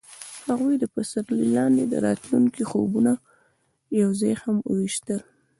هغوی د پسرلی لاندې د راتلونکي خوبونه یوځای هم وویشل.